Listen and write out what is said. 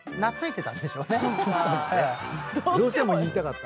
どうしても言いたかった？